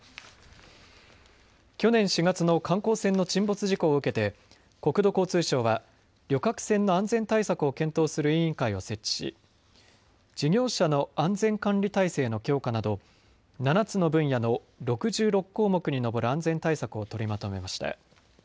去年４月の観光船の沈没事故を受けて国土交通省は旅客船の安全対策を検討する委員会を設置し事業者の安全管理体制の強化など７つの分野の６６項目に上る安全対策を取りまとめました。